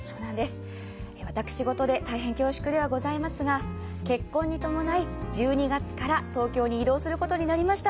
私ごとで大変恐縮ではございますが、結婚に伴い１２月から東京に異動することになりました。